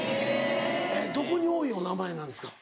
どこに多いお名前なんですか？